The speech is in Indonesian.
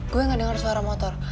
gue gak dengar suara motor